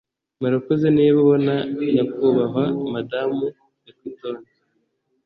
Murakoze Niba ubona nyakubahwa Madamu Equitone